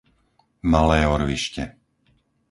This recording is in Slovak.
Malé Orvište